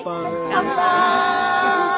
乾杯！